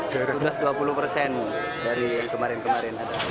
dari dua puluh persen dari yang kemarin kemarin